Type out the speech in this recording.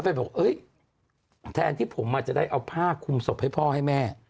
อเป็ดบอกแทนที่ผมมาจะได้เอาผ้าคุมศพให้พ่อให้แม่